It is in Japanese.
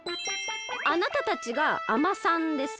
あなたたちが海女さんですか？